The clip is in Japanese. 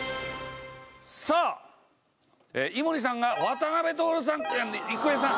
さあ井森さんが渡辺徹さん郁恵さん。